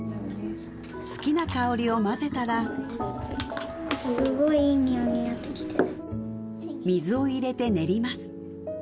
好きな香りを混ぜたら水を入れて練ります